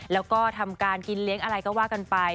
แล้วก็ทำการกินเลี้ยงอะไรก็ว่ากันไป